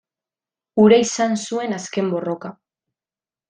Hura izan zuen azken borroka.